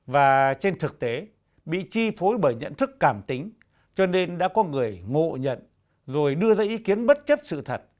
và trên thực tế bị chi phối bởi nhận thức cảm tính cho nên đã có người ngộ nhận rồi đưa ra ý kiến bất chấp sự thật